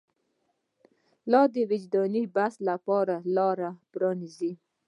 د لا جدي بحث لپاره لاره پرانیزو.